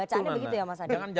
bacaannya begitu ya mas adi